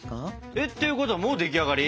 えっっていうことはもうでき上がり？